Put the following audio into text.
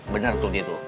bener tuh gitu